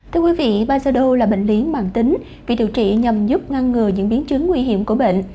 thưa quý vị bajedo là bệnh liến bằng tính vị điều trị nhằm giúp ngăn ngừa những biến chứng nguy hiểm của bệnh